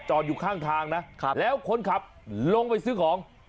อยู่ข้างทางนะแล้วคนขับลงไปซื้อของ